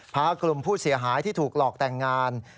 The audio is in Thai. พากลุ่มผู้เสียหายที่ถูกหลอกแต่งงาน